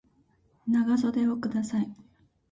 長袖をください